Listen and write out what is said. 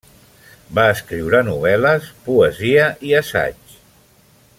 Va escriure novel·les, poesia i assaig.